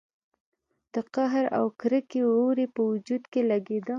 د قهر او کرکې اور يې په وجود کې لګېده.